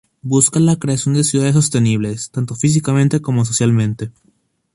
Busca la creación de ciudades sostenibles, tanto físicamente como socialmente.